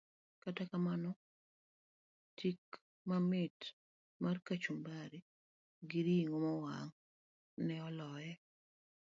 Kata kamano, tik mamit mar kachumbari gi ring'o mowang' ne oloye.